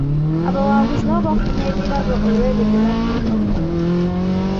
Abawanguzi nabo baafuna ebirabo olwa ebyo bye baatuukako.